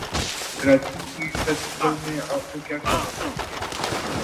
Karachi eat festival میں اپ کو کیا کھانا چاہیے